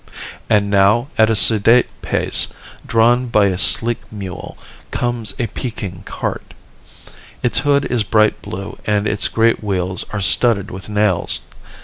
And now at a sedate pace, drawn by a sleek mule, comes a Peking cart. Its hood is bright blue and its great wheels are studded with nails.